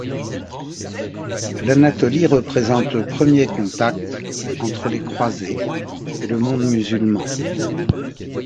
L’Anatolie représente le premier contact entre les croisés et le monde musulman.